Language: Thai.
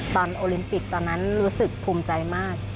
โอลิมปิกตอนนั้นรู้สึกภูมิใจมาก